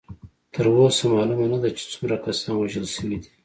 تر اوسه معلومه نه ده چې څومره کسان وژل شوي دي.